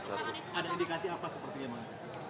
ada indikasi apa sepertinya bang